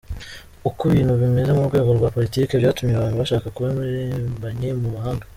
Uko ibintu bimeze mu rwego rwa politike byatumye abantu bashaka kuba impirimbanyi mu mahanga.